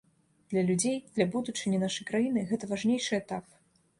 Для людзей, для будучыні нашай краіны гэта важнейшы этап.